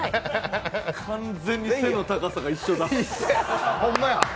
完全に背の高さが一緒だ。